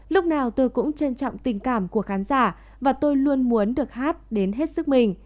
lúc nào tôi cũng trân trọng tình cảm của khán giả và tôi luôn muốn được hát đến hết sức mình